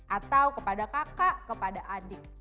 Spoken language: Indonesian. atau kepada kakak kepada adik